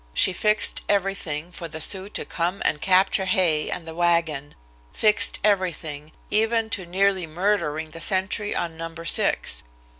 She fixed everything for the Sioux to come and capture Hay and the wagon; fixed everything, even to nearly murdering the sentry on Number Six.